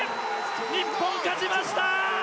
日本勝ちました！